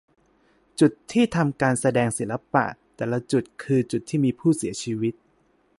จุดที่ทำการแสดงศิลปะ แต่ละจุดคือจุดที่มีผู้เสียชีวิต